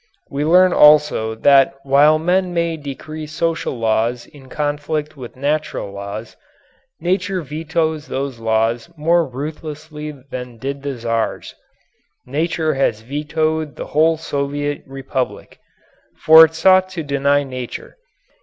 We learn also that while men may decree social laws in conflict with natural laws, Nature vetoes those laws more ruthlessly than did the Czars. Nature has vetoed the whole Soviet Republic. For it sought to deny nature.